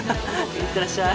行ってらっしゃい。